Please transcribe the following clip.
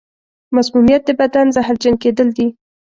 مسمومیت د بدن زهرجن کېدل دي.